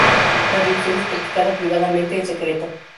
La religión es practicada privadamente en secreto.